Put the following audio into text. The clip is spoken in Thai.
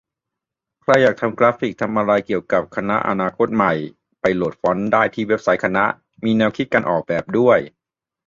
ใครอยากทำกราฟิก ทำอะไรเกี่ยวกับ คณะอนาคตใหม่ ไปโหลดฟอนต์ได้ที่เว็บไซต์คณะ มีแนวคิดการออกแบบด้วย